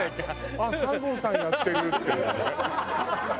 あっ西郷さんやってるっていうね。